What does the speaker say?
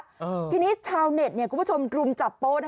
พอทีนี้ชาวเน็ตรุ่มจับโปรด